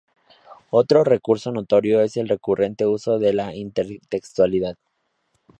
Otro recurso notorio es el recurrente uso de la intertextualidad.